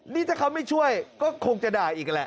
นี่ถ้าเขาไม่ช่วยก็คงจะด่าอีกแหละ